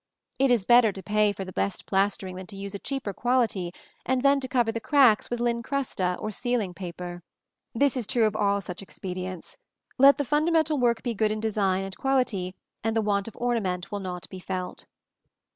It is better to pay for the best plastering than to use a cheaper quality and then to cover the cracks with lincrusta or ceiling paper. This is true of all such expedients: let the fundamental work be good in design and quality and the want of ornament will not be felt.